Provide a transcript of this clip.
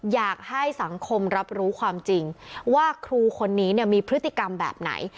อยากให้สังคมรับรู้ความจริงว่าครูคนนี้มีพฤติกรรมแบบไหน